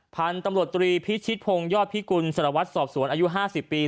พันธุ์ตำรวจตรีพิชิตพงศ์ยอดพิกุลสารวัตรสอบสวนอายุ๕๐ปี